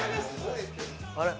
あれ？